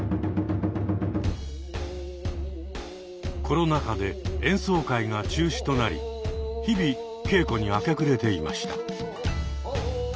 コロナ禍で演奏会が中止となり日々稽古に明け暮れていました。